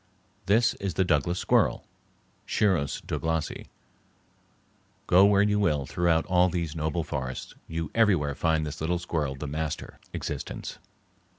This is the Douglas squirrel (Sciurus Douglasi). Go where you will throughout all these noble forests, you everywhere find this little squirrel the master existence.